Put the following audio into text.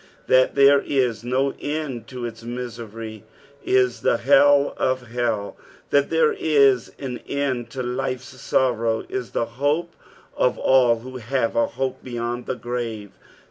That there is no end to its misery is the hell of hell ; that there is an end to life's sorrow is the hope of all who have a hope beyond the grave.